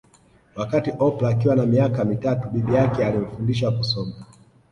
Wakati Oprah Akiwa na miaka mitatu bibi yake alimfundisha kusoma